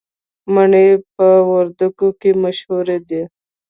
مڼې په وردګو کې مشهورې دي